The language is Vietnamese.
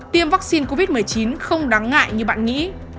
tiêm vắc xin covid một mươi chín không đáng ngại như bạn nghĩ